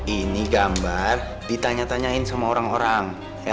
ini gambar ditanya tanyain sama orang orang